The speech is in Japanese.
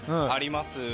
あります。